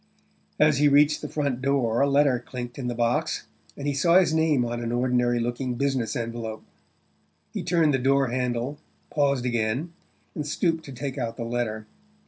As he reached the front door a letter clinked in the box, and he saw his name on an ordinary looking business envelope. He turned the door handle, paused again, and stooped to take out the letter.